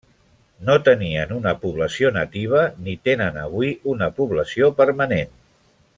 No tenien una població nativa, ni tenen avui una població permanent.